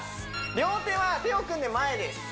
両手は手を組んで前です